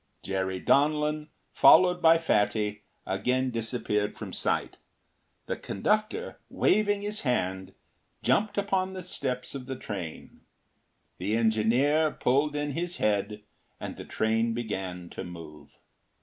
” Jerry Donlin, followed by Fatty, again disappeared from sight. The conductor, waving his hand, jumped upon the steps of the train. The engineer pulled in his head and the train began to move.